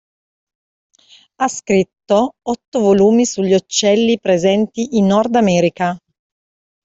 Ha scritto otto volumi sugli uccelli presenti in Nord America.